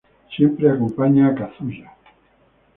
Siempre acompaña a Kazuya.